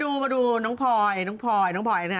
คุณน้ำคุณนี้มันตลอดเลยนะ